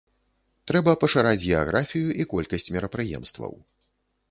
Трэба пашыраць геаграфію і колькасць мерапрыемстваў.